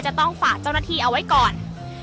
จะต้องฝากเจ้าหน้าที่เอาไว้ก่อน